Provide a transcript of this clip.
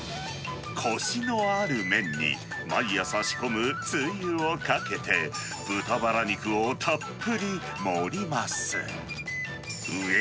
こしのある麺に、毎朝仕込むつゆをかけて、豚バラ肉をたっぷり盛ります。